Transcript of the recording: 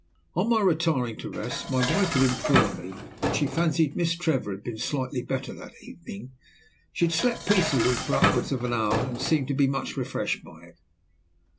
On my retiring to rest my wife had informed me that she fancied Miss Trevor had been slightly better that evening. She had slept peacefully for upwards of an hour, and seemed much refreshed by it.